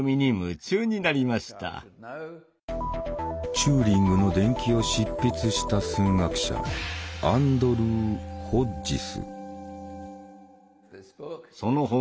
チューリングの伝記を執筆した数学者アンドルー・ホッジス。